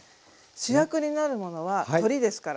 主役になるものはトリですから。